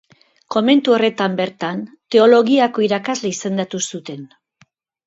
Komentu horretan bertan, Teologiako irakasle izendatu zuten.